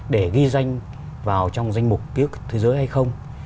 để ghi danh vào trong danh mục ký thế giới hay không